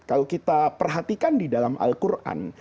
kalau kita perhatikan di dalam al quran